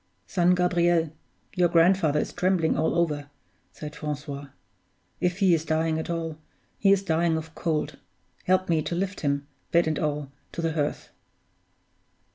"Son Gabriel, your grandfather is trembling all over," said Francois. "If he is dying at all, he is dying of cold; help me to lift him, bed and all, to the hearth."